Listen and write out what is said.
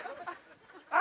あ！